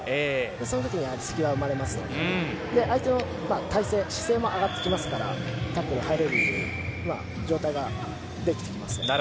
その時に隙が生まれますので相手の体勢、姿勢も上がってきますからタックルに入れる状態ができてきます。